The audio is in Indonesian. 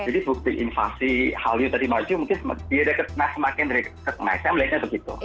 jadi bukti invasi hallyu tadi maju mungkin semakin dari ke enam m lainnya begitu